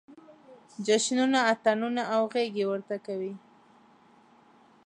جشنونه، اتڼونه او غېږې ورته کوي.